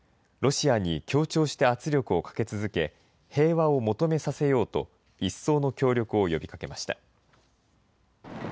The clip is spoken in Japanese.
ロシアに協調して圧力をかけ続け、平和を求めさせようと、一層の協力を呼びかけました。